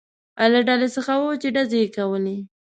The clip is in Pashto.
له ډلې څخه و، چې ډزې یې کولې.